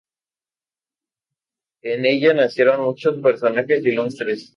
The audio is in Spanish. En ella nacieron muchos personajes ilustres.